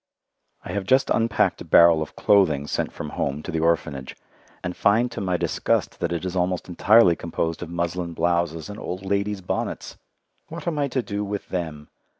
I have just unpacked a barrel of clothing sent from home to the Orphanage, and find to my disgust that it is almost entirely composed of muslin blouses and old ladies' bonnets! What am I to do with them?